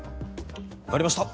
わかりました！